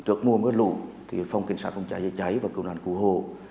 trước mùa mưa lũ thì phòng kiến sát công cháy đã cháy và cứu nạn cứu hộ